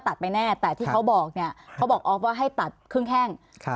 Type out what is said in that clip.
ตัดไปแน่แต่ที่เขาบอกเนี่ยเขาบอกออฟว่าให้ตัดครึ่งแห้ง